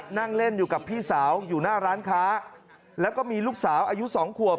นั่งเล่นอยู่กับพี่สาวอยู่หน้าร้านค้าแล้วก็มีลูกสาวอายุสองขวบ